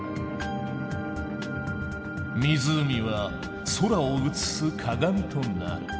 湖は空を映す鏡となる。